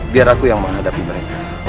biar aku yang menghadapi mereka